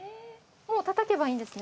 もうたたけばいいんですね？